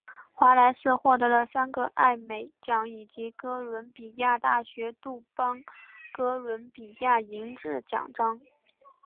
华莱士获得了三个艾美奖以及哥伦比亚大学杜邦哥伦比亚银质奖章。